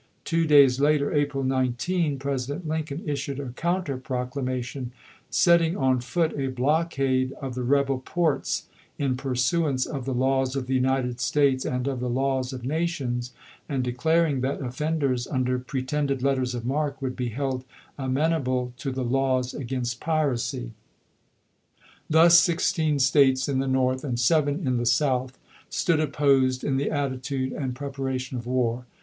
Two days later (April 19) President Lincoln issued a counter proclamation, setting on foot a blockade of the rebel ports "in pursuance of the laws of the United States and of the laws of nations," and declaring that offenders under pre tended letters of marque would be held amenable to the laws against piracy. Thus sixteen States in the North and seven in the South stood opposed in the attitude and prep aration of war.